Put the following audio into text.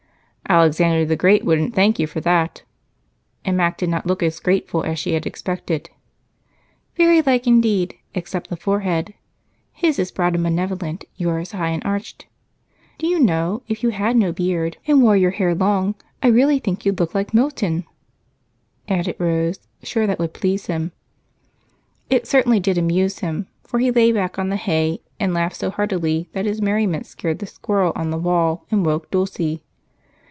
"Alexander the Great wouldn't thank you for that," and Mac did not look as grateful as she had expected. "Very like, indeed, except the forehead. His is broad and benevolent, yours high and arched. Do you know if you had no beard, and wore your hair long, I really think you'd look like Milton," added Rose, sure that would please him. It certainly did amuse him, for he lay back on the hay and laughed so heartily that his merriment scared the squirrel on the wall and woke Dulce.